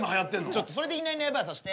ちょっとそれでいないいないばあさせて。